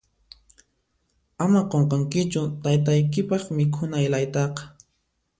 Ama qunqankichu taytaykipaq mikhuna ilaytaqa.